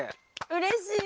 うれしい。